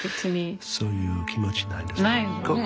そういう気持ちないですね。